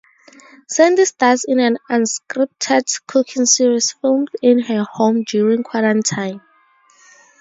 Sandy stars in an unscripted cooking series filmed in her home during quarantine.